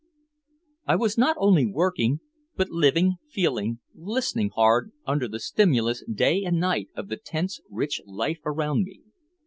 I was not only working, but living, feeling, listening hard, under the stimulus day and night of the tense, rich life around me.